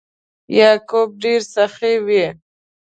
یعقوب ډیر سخي و.